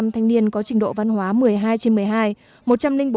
năm mươi tám bốn mươi bảy thanh niên có trình độ văn hóa một mươi hai trên một mươi hai